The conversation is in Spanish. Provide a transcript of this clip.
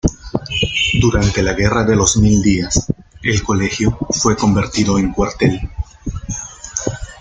Durante la Guerra de los Mil Días, el colegio fue convertido en cuartel.